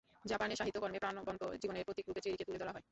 জাপানের সাহিত্য কর্মে প্রাণবন্ত জীবনের প্রতীক রূপে চেরিকে তুলে ধরা হয়।